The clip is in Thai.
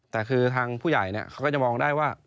แต่คือทางผู้ใหญ่เขาก็จะมองได้ว่า